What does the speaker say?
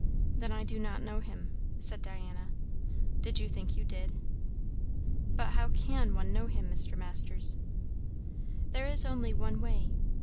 "Then I do not know him," said Diana. "Did you think you did?" "But how can one know him, Mr. Masters?" "There is only one way.